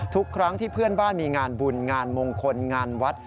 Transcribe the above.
ทุกครั้งที่เพื่อนบ้านมีงานบุญงานมงคลงานวัด